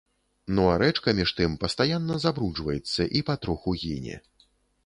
Ну а рэчка між тым пастаянна забруджваецца і патроху гіне.